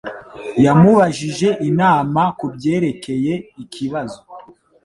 Yamubajije inama kubyerekeye ikibazo.